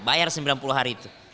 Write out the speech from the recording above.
bayar sembilan puluh hari itu